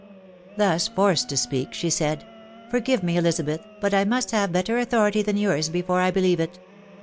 " Thus forced to speak, she said, "Forgive me, Elizabeth, but I must have better authority than yours before I beheve it.